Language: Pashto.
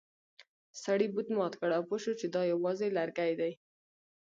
سړي بت مات کړ او پوه شو چې دا یوازې لرګی دی.